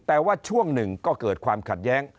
แต่ว่าช่วงหนึ่งก็เกิดความขัดแย้ง